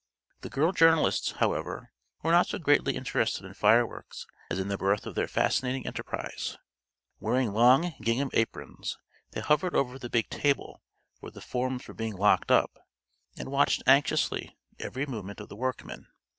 The girl journalists, however, were not so greatly interested in fireworks as in the birth of their fascinating enterprise. Wearing long gingham aprons they hovered over the big table where the forms were being locked up, and watched anxiously every movement of the workmen.